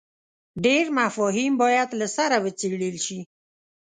ډېر مفاهیم باید له سره وڅېړل شي.